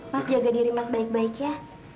mas jaga diri mas baik baik ya